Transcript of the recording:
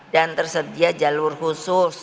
dan tersedia jalur khusus